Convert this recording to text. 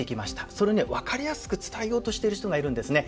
それね分かりやすく伝えようとしている人がいるんですね。